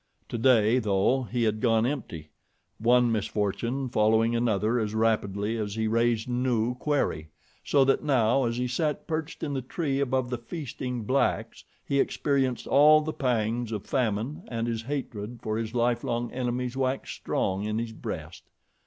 Today, though, he had gone empty, one misfortune following another as rapidly as he raised new quarry, so that now, as he sat perched in the tree above the feasting blacks, he experienced all the pangs of famine and his hatred for his lifelong enemies waxed strong in his breast.